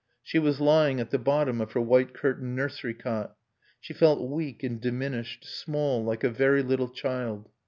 She was lying at the bottom of her white curtained nursery cot. She felt weak and diminished, small, like a very little child.